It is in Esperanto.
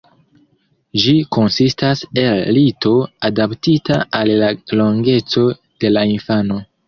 Ĝi konsistas el lito adaptita al la longeco de la infano.